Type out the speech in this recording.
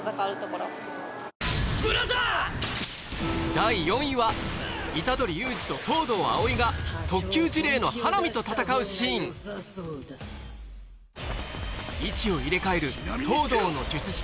第４位は虎杖悠仁と東堂葵が特級呪霊の花御と戦うシーン位置を入れ替える東堂の術式